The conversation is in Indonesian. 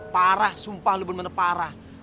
parah sumpah lo bener bener parah